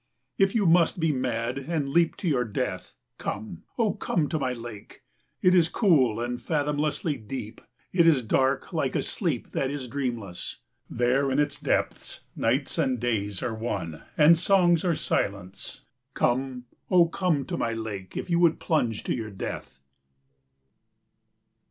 If you must be mad and leap to your death, come, O come to my lake. It is cool and fathomlessly deep. It is dark like a sleep that is dreamless. There in its depths nights and days are one, and songs are silence. Come, O come to my lake, if you would plunge to your death.